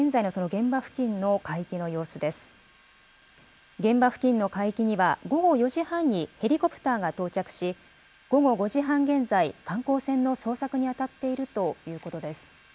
現場付近の海域には、午後４時半にヘリコプターが到着し、午後５時半現在、観光船の捜索に当たっているということです。